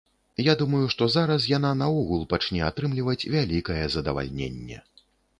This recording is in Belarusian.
Я думаю, што зараз яна наогул пачне атрымліваць вялікае задавальненне.